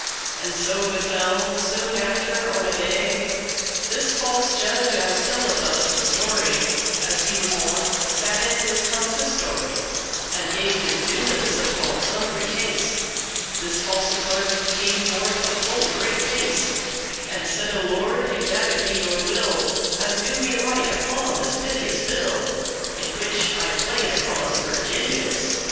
And so befell, soon after on a day, This false judge, as telleth us the story, As he was wont, sat in his consistory, And gave his doomes* upon sundry case'; *judgments This false clerk came forth *a full great pace,* *in haste And saide; Lord, if that it be your will, As do me right upon this piteous bill,* *petition In which I plain upon Virginius.